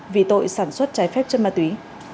vì tội sản xuất trái phép chất ma túy